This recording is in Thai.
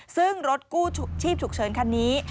ซึ่งรถกู้ชีพฉุกเฉินคันนี้